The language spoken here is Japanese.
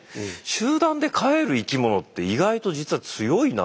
集団で飼える生き物って意外と実は強いなって僕は。